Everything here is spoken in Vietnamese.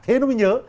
thế nó mới nhớ